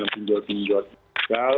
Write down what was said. satu penjual penjual digital